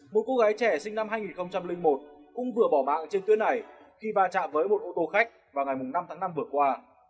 một cô gái trẻ sinh năm hai nghìn một cũng vừa bỏ mạng trên tuyến này khi va chạm với một ô tô khách vào ngày năm tháng năm vừa qua